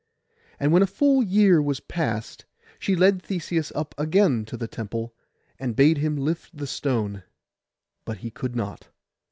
And when a full year was past she led Theseus up again to the temple, and bade him lift the stone; but he could not.